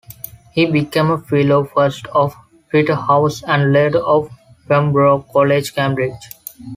He became a Fellow first of Peterhouse, and later of Pembroke College, Cambridge.